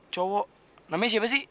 cowok namanya siapa sih